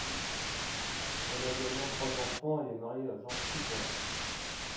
Elle a également trois enfants et est mariée à George Cooper.